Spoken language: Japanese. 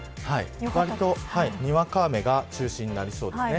わりとにわか雨が中心になりそうです。